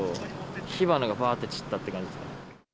火花がばーっと散ったっていう感じですね。